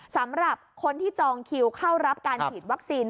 สำหรับคนที่จองคิวเข้ารับการฉีดวัคซีน